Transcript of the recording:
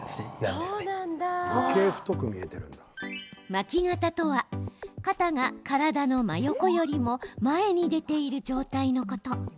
巻き肩とは、肩が体の真横よりも前に出ている状態のこと。